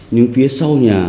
nhưng phía sau nhà